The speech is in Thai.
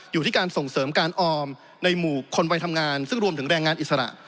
อยู่ที่การส่งเสริมการออมในหมู่คนวัยทำงานซึ่งรวมถึงแรงงานอิสระ